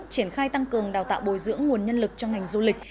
triển khai tăng cường đào tạo bồi dưỡng nguồn nhân lực cho ngành du lịch